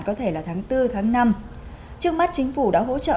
có thể là tháng bốn tháng năm trước mắt chính phủ đã hỗ trợ